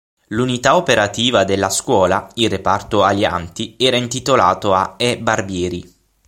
L'unità operativa della Scuola, il Reparto Alianti era intitolato a "E. Barbieri".